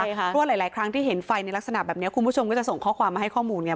เพราะว่าหลายครั้งที่เห็นไฟในลักษณะแบบนี้คุณผู้ชมก็จะส่งข้อความมาให้ข้อมูลไง